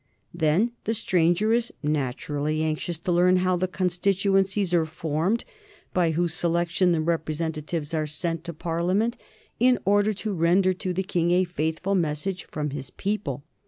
Then the stranger is naturally anxious to learn how the constituencies are formed, by whose selection the representatives are sent to Parliament, in order to render to the King a faithful message from his people.